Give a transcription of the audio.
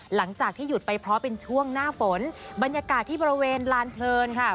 หลังจากที่หยุดไปเพราะเป็นช่วงหน้าฝนบรรยากาศที่บริเวณลานเพลินค่ะ